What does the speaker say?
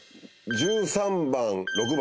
１３番６番。